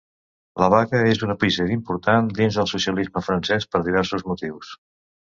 La vaga és un episodi important dins el socialisme francès per diversos motius.